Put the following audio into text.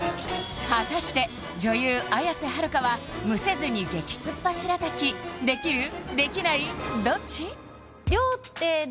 果たして女優・綾瀬はるかはむせずに激酸っぱしらたきできるできないどっち？